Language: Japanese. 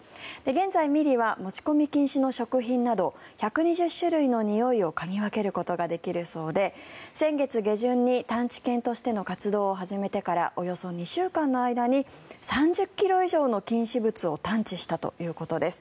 現在ミリは持ち込み禁止の食品など１２０種類のにおいを嗅ぎ分けることができるそうで先月下旬に探知犬としての活動を始めてからおよそ２週間の間に３０ｋｇ以上の禁止物を探知したということです。